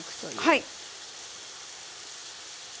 はい。